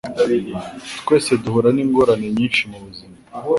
twese duhura n ingorane nyinshi mu buzima